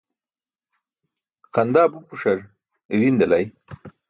Xandaa bupuśar irii̇ṅ delay.